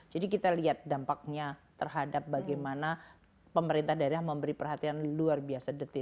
jadi kita lihat dampaknya terhadap bagaimana pemerintah daerah memberi perhatian luar biasa